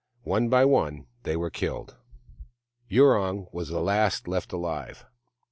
One by one, they were killed. Yurong was the last left alive.